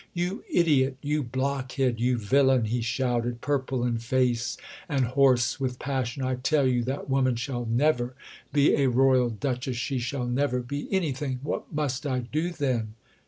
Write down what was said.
"You idiot! You blockhead! You villain!" he shouted, purple in face and hoarse with passion. "I tell you that woman shall never be a Royal Duchess she shall never be anything." "What must I do, then?"